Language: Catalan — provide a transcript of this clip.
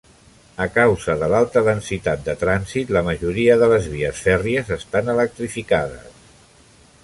A causa de l'alta densitat de trànsit, la majoria de les vies fèrries estan electrificades.